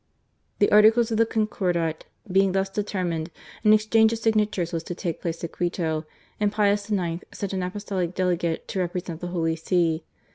The articles of the Concordat being thus deter mined, an exchange of signatures was to take place at Quito, and Pius IX. sent an Apostolic Delegate ta represent the Holy See.